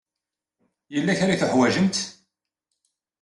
Yella kra ay teḥwajemt?